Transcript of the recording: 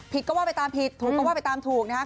ก็ว่าไปตามผิดถูกก็ว่าไปตามถูกนะครับ